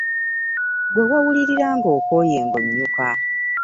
Ggwe w'owulirira ng'okooye ng'onnyuka.